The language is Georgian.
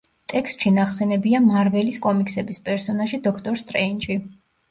ტექსტში ნახსენებია მარველის კომიქსების პერსონაჟი დოქტორ სტრეინჯი.